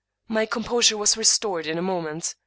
My composure was re stored in a moment.